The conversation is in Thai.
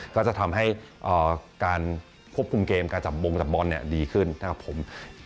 ก็จะทำให้การควบคุมเกมการจับบงจับบอลดีขึ้นนะครับผม